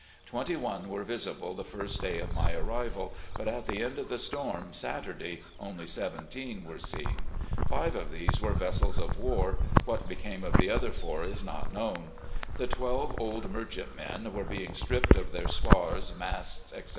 Twenty one were visible the first day of my arrival, but at the end of the storm, Saturday, only seventeen were seen. Five of these were vessels of war: what became of the other four is not known. The twelve old merchantmen were being stripped of their spars, masts, etc.